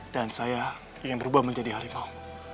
dan saya ingin berubah menjadi harimau